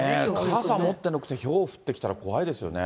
傘持ってなくて、ひょう降ってきたら怖いですよね。